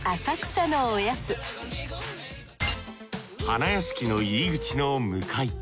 花やしきの入り口の向かい。